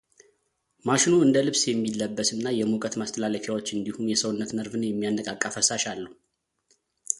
ማሽኑ እንደ ልብስ የሚለበስ እና የሙቀት ማስተላለፊያዎች እንዲሁም የሰውነት ነርቭን የሚያነቃቃ ፈሳሽ አለው።